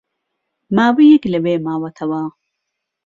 ماوەیەک لەوێ ماوەتەوە